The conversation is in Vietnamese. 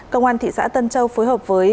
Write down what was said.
cơ quan thị xã tân châu phối hợp với